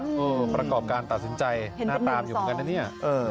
อือประกอบการตัดสินใจน่าทราบอยู่กันอ่ะเนี้ย